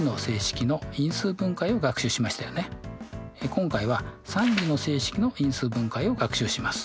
今回は３次の整式の因数分解を学習します。